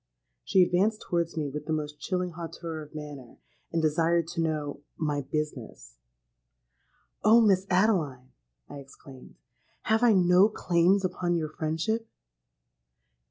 She advanced towards me with the most chilling hauteur of manner, and desired to know 'my business.'—'Oh! Miss Adeline,' I exclaimed, 'have I no claims upon your friendship?'